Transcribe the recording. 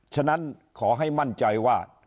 ฉะนั้นขอให้มั่นใจว่า